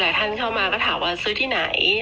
ท่านเข้ามาก็ถามว่าซื้อที่ไหน